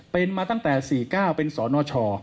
เป็นมาตั้งแต่๔๙เป็นสนช